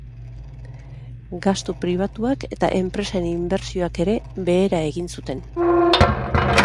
Gastu pribatuak eta enpresen inbertsioek ere behera egin zuten.